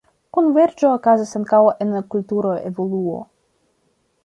Konverĝo okazas ankaŭ en kultura evoluo.